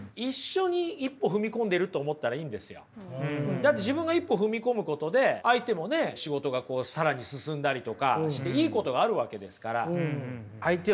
だって自分が一歩踏み込むことで相手もね仕事が更に進んだりとかしていいことがあるわけですから。